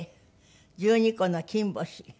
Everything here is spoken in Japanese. １２個の金星。